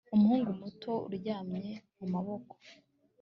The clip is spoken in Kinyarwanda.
umuhungu muto uryamye mumaboko